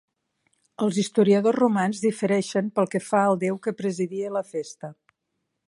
Els historiadors romans difereixen pel que fa al déu que presidia la festa.